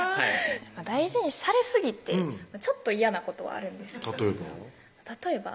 大事にされすぎてちょっと嫌なことはあるんです例えば？